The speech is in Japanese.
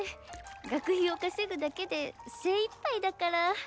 学費を稼ぐだけで精いっぱいだから。